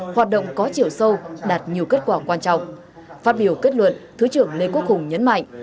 hoạt động có chiều sâu đạt nhiều kết quả quan trọng phát biểu kết luận thứ trưởng lê quốc hùng nhấn mạnh